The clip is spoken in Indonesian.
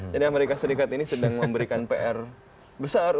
jadi amerika serikat ini sedang memberikan pr besar